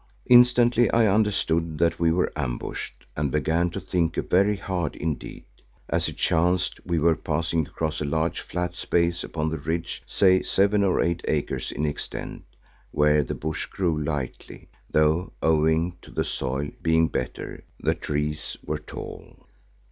Instantly I understood that we were ambushed and began to think very hard indeed. As it chanced we were passing across a large flat space upon the ridge, say seven or eight acres in extent, where the bush grew lightly, though owing to the soil being better, the trees were tall.